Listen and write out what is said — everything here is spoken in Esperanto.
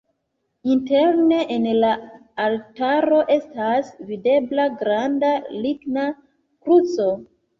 Interne en la altaro estas videbla granda ligna kruco.